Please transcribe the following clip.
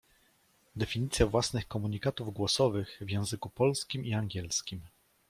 Definicja własnych komunikatów głosowych w języku polskim i angielskim.